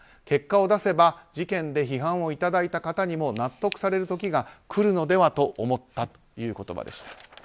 結果を出せば事件で批判をいただいた方にも納得される時が来るのではと思ったという言葉でした。